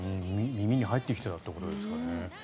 耳に入ってきてたということですかね。